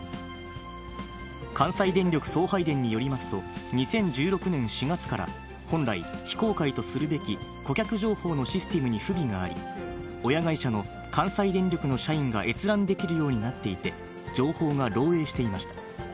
関西電力送配電によりますと、２０１６年４月から本来、非公開とするべき顧客情報のシステムに不備があり、親会社の関西電力の社員が閲覧できるようになっていて、情報が漏えいしていました。